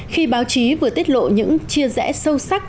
khi báo chí vừa tiết lộ những chia rẽ sâu sắc